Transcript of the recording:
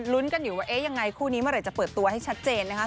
ลุ้นกันอยู่ว่าเอ๊ะยังไงคู่นี้เมื่อไหร่จะเปิดตัวให้ชัดเจนนะครับ